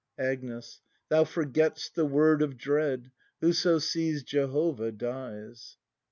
Agnes. Thou forget'st the word of dread: Whoso sees Jehovah dies!